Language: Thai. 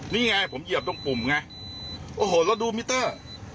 นี่ไงผมเหยียบตรงปุ่มไงโอ้โหเราดูมิเตอร์